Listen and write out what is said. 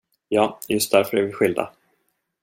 Ja, just därför är vi skilda.